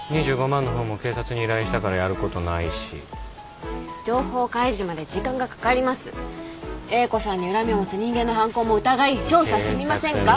２５万の方も警察に依頼したからやることないし情報開示まで時間がかかります瑛子さんに恨みを持つ人間の犯行も疑い調査してみませんか？